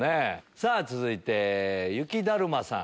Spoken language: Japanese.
さぁ続いて雪だるまさん。